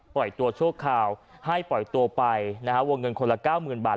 ปล่อยตัวช่วงคราวให้ปล่อยตัวไปวงเงินคนละ๙๐๐๐๐บาท